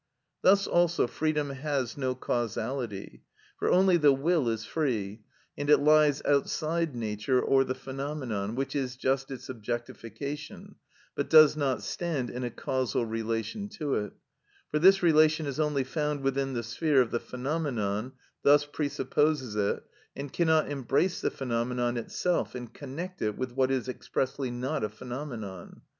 Thus also freedom has no causality; for only the will is free, and it lies outside nature or the phenomenon, which is just its objectification, but does not stand in a causal relation to it, for this relation is only found within the sphere of the phenomenon, thus presupposes it, and cannot embrace the phenomenon itself and connect it with what is expressly not a phenomenon.